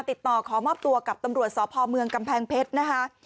ติดต่อขอมอบตัวกับตำรวจสพเมืองกำแพงเพชรนะคะ